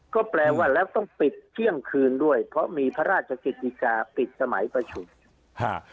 ก็แปลว่าแล้วต้องปิดเที่ยงคืนด้วยเพราะมีพระราชกฤษฎิกาปิดสมัยประชุมฮะ